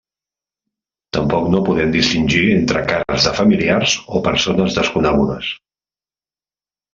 Tampoc no poden distingir entre cares de familiars o persones desconegudes.